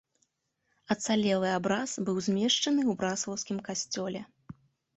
Ацалелы абраз быў змешчаны ў браслаўскім касцёле.